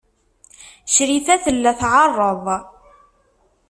Crifa tella tɛerreḍ.